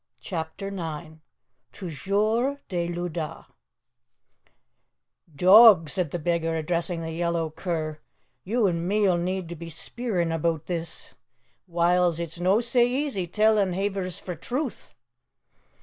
CHAPTER IX "TOUJOURS DE L'AUDACE" "DOAG," said the beggar, addressing the yellow cur, "you an' me'll need to be speerin' aboot this. Whiles, it's no sae easy tellin' havers frae truth."